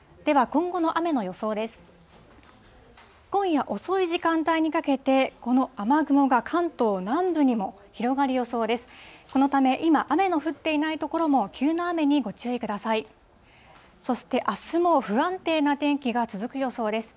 今夜遅い時間帯にかけて、この雨雲が関東南部にも広がる予想です。